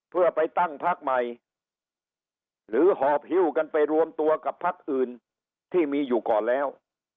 เพื่อไปตั้งพักใหม่หรือหอบฮิ้วกันไปรวมตัวกับพักอื่นที่มีอยู่ก่อนแล้ว